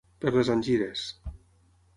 Per les engires.